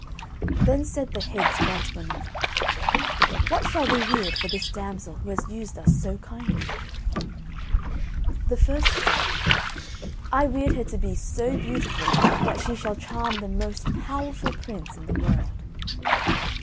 Then said the heads one to another: "What shall we weird for this damsel who has used us so kindly?" The first said: "I weird her to be so beautiful that she shall charm the most powerful prince in the world."